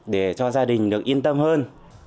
để cho gia đình được yên tâm hơn